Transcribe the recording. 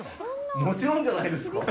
もちろんじゃないですか。